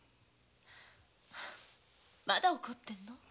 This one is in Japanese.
まだ怒ってるの？